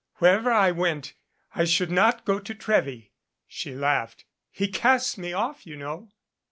Wherever I went, I should not go to Trewy." She laughed. "He cast me off, you know."